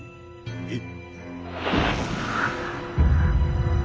えっ？